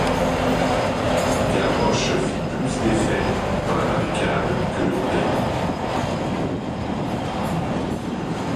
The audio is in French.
Gavroche fit plus d'effet dans la barricade que le boulet.